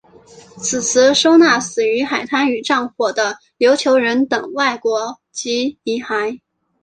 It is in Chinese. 此祠收纳死于海难与战火的琉球人等外国籍遗骸。